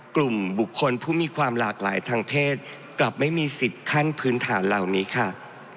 กลุ่มบุคคลผู้มีความหลากหลายทางเพศกลับไม่มีสิทธิ์ขั้นพื้นฐานเหล่านี้ค่ะ